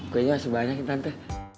kuenya masih banyak ya tante